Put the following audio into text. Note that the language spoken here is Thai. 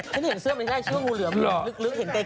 ฉันเห็นเสื้อแบบนี้ได้ชื่อว่าวูเหลือมหลืกเห็นไกล